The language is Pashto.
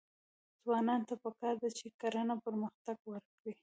ځوانانو ته پکار ده چې، کرنه پرمختګ ورکړي.